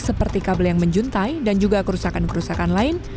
seperti kabel yang menjuntai dan juga kerusakan kerusakan lain